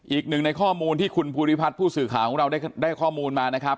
อีกหนึ่งในข้อมูลที่คุณภูริพัฒน์ผู้สื่อข่าวของเราได้ข้อมูลมานะครับ